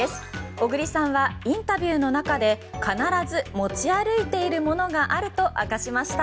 小栗さんはインタビューの中で必ず持ち歩いているものがあると明かしました。